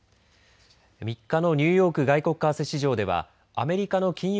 ３日のニューヨーク外国為替市場ではアメリカの金融